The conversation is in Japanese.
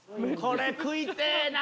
これ食いてえな！